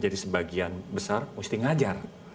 jadi sebagian besar mesti ngajar